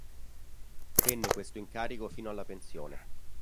Tenne questo incarico fino alla pensione.